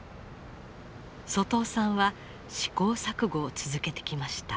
外尾さんは試行錯誤を続けてきました。